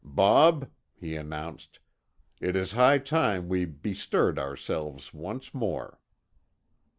"Bob," he announced, "it is high time we bestirred ourselves once more."